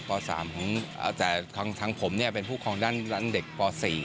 ป๓แต่ทางผมเป็นผู้ครองด้านเด็กป๔